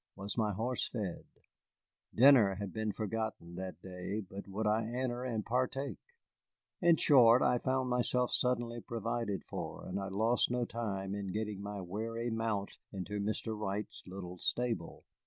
Was my horse fed? Dinner had been forgotten that day, but would I enter and partake? In short, I found myself suddenly provided for, and I lost no time in getting my weary mount into Mr. Wright's little stable.